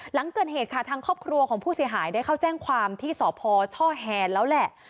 หลังเกิดเหตุค่ะทางครอบครัวของผู้เสียหายได้เข้าแจ้งความที่สพช่อแฮนแล้วแหละ